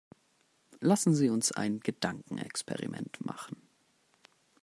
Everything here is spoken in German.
Lassen Sie uns ein Gedankenexperiment machen.